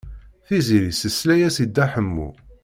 Tiziri tesla-as i Dda Ḥemmu.